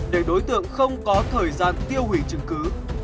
để đối tượng không có thời gian tiêu hủy chứng cứ